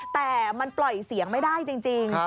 แต่มันปล่อยเสียงไม่ได้จริง